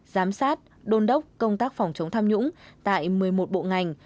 giám sát đôn đốc công tác phòng chống tham nhũng tại một mươi một bộ ngành